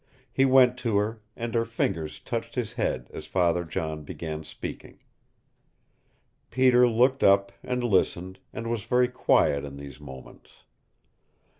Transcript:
He went to her, and her fingers touched his head as Father John began speaking. Peter looked up, and listened, and was very quiet in these moments.